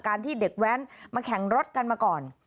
ที่เด็กแว้นมาแข่งรถกันมาก่อน